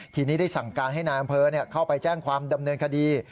ทีนี้ได้สั่งการให้นายอำเภอเข้าไปแจ้งความดำเนินคดี